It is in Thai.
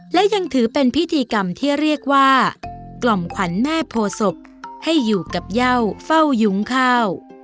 และยังถือเป็นพิธีกรรมที่เรียกว่ากล่อมขวัญแม่โพศพให้อยู่กับเย่าเฝ้ายุ้งข้าว